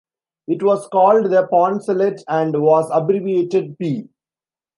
It was called the poncelet and was abbreviated "p".